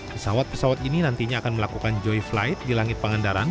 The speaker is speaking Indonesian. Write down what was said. pesawat pesawat ini nantinya akan melakukan joy flight di langit pangandaran